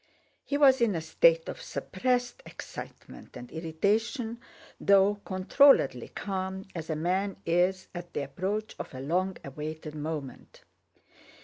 He was in a state of suppressed excitement and irritation, though controlledly calm as a man is at the approach of a long awaited moment.